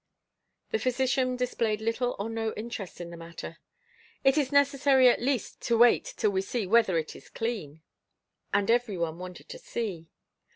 The physician displayed little or no interest in the matter: "It is necessary at least to wait till we see whether it is clean." And everyone wanted to see.